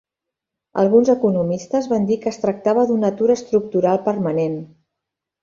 Alguns economistes van dir que es tractava d'un atur estructural permanent.